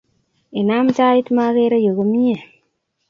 Inam tait makere yu komnye